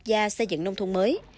quốc gia xây dựng nông thôn mới